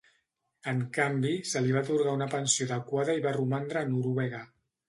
En canvi, se li va atorgar una pensió adequada i va romandre a Noruega.